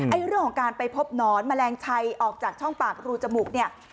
เรื่องของการไปพบหนอนแมลงชัยออกจากช่องปากรูจมูกเนี่ย